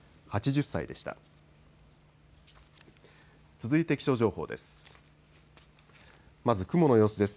続いて気象情報です。